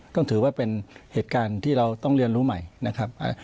ต้องถือว่าเป็นเหตุการณ์ที่เราต้องเรียนรู้ใหม่นะครับ